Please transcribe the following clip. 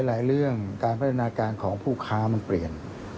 เรื่องการพัฒนาการของผู้ค้ามันเปลี่ยน